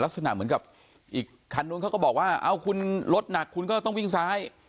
ลักษณะเหมือนกับอีกคันนู้นเขาก็บอกว่าเอาคุณรถหนักคุณก็ต้องวิ่งซ้าย